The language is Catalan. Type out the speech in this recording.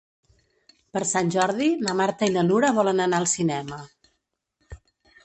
Per Sant Jordi na Marta i na Nura volen anar al cinema.